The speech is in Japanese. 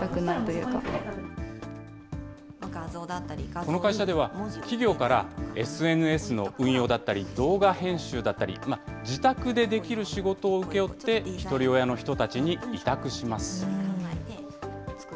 この会社では、企業からＳＮＳの運用だったり、動画編集だったり、自宅でできる仕事を請け負ってひとり親の人たちに委託します。